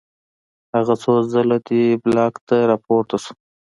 هغه څو ځله دې بلاک ته راپورته شو